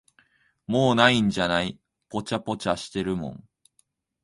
もう無いんじゃない、ぽちゃぽちゃしてるもん。